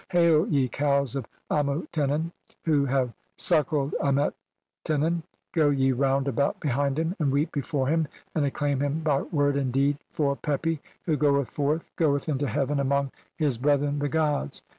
Hail, ye cows of Amutenen, who "have suckled Amutenen, go ye round about behind "him, and weep before him, and acclaim him by word "and deed, for Pepi, who goeth forth, goeth into hea "ven among his brethren the gods."